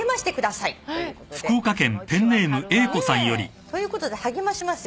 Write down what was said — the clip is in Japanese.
ねえ。ということで励ましますよ。